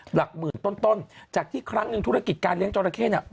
หลักหมื่นต้นต้นจากที่ครั้งหนึ่งธุรกิจการเลี้ยจอราเข้เนี่ย